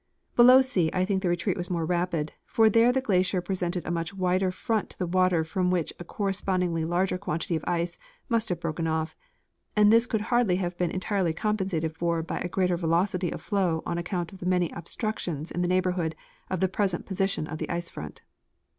Below C I think the retreat was more rapid ; for there the glacier presented a much wider front to the water from which a correspondingly larger quantity of ice must have broken off, and this could hardl}^ have been entirely compensated for ])v a greater velocity of flow on account of the many obstructions in the neighborhood of the present position of the ice front.